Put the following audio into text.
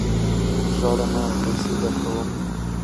ژاړه مه ! پیسې درکوم.